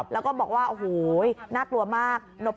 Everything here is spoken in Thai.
แล้วก็บอกว่าโอ้โหน่ากลัวมาก